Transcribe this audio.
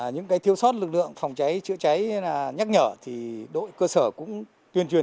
những cái thiêu sót lực lượng phòng cháy chữa cháy nhắc nhở thì đội cơ sở cũng tuyên truyền